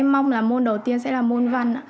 mong là môn đầu tiên sẽ là môn văn